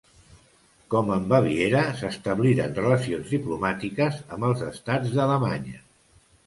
Com amb Baviera, s'establiren relacions diplomàtiques amb els estats d'Alemanya.